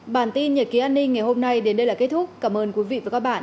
bản tin nhật ký an ninh ngày hôm nay đến đây là kết thúc cảm ơn quý vị và các bạn